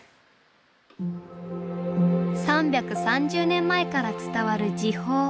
３３０年前から伝わる寺宝。